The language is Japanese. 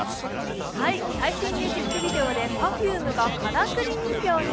最新ミュージックビデオでＰｅｒｆｕｍｅがからくり人形に。